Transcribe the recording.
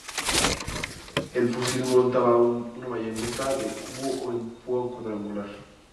El fusil montaba una bayoneta de cubo con púa cuadrangular.